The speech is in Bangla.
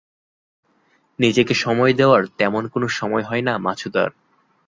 নিজেকে সময় দেওয়ার তেমন কোন সময় হয়না মাছুদার।